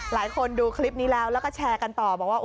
ดูคลิปนี้แล้วแล้วก็แชร์กันต่อบอกว่า